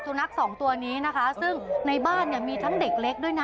นักสองตัวนี้นะคะซึ่งในบ้านเนี่ยมีทั้งเด็กเล็กด้วยนะ